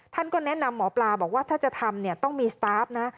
ท่านก็แนะนำหมอปลาว่าถ้าจะทำต้องมีสตาฟนะ